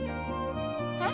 えっ？